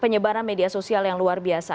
penyebaran media sosial yang luar biasa